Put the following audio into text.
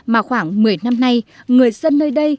mà khoảng một mươi năm nay người dân nơi đây